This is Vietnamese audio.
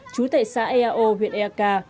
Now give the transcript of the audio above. trú tại xã eao huyện ea ca